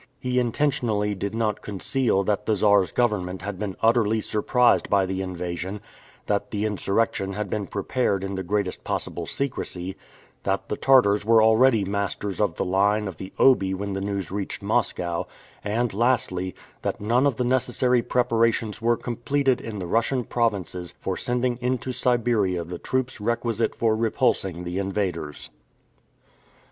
He intentionally did not conceal that the Czar's government had been utterly surprised by the invasion, that the insurrection had been prepared in the greatest possible secrecy, that the Tartars were already masters of the line of the Obi when the news reached Moscow, and lastly, that none of the necessary preparations were completed in the Russian provinces for sending into Siberia the troops requisite for repulsing the invaders.